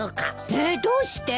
えーっどうして？